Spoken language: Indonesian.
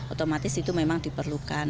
otomatis itu memang diperlukan